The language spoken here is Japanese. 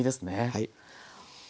はい。